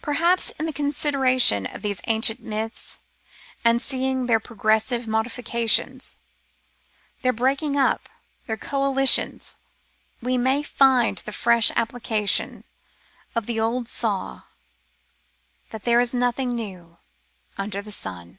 Perhaps in the consideration of these ancient myths, and seeing their progressive modifications, their breaking up, their coalitions, we may find the fresh application of the old saw, that there is nothing new under the sun.